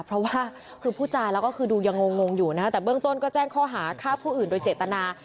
เพราะว่าคือพูดจาแล้วก็คือดูยังงงอยู่นะฮะแต่เบื้องต้นก็แจ้งข้อหาฆ่าผู้อื่นโดยเจตนา